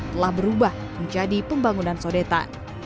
telah berubah menjadi pembangunan sodetan